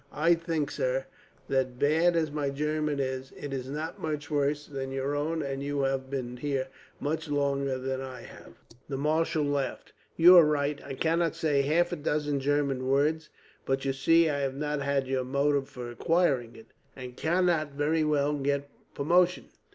I think, sir, that bad as my German is, it is not much worse than your own, and you have been here much longer than I have." The marshal laughed. "You are right. I cannot say half a dozen German words; but you see I have not had your motive for acquiring it, and cannot very well get promotion.